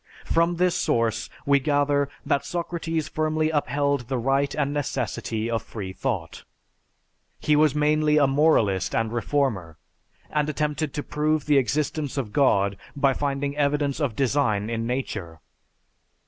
From this source we gather that Socrates firmly upheld the right and necessity of free thought. He was mainly a moralist and reformer, and attempted to prove the existence of God by finding evidence of design in nature.